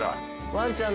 ワンちゃん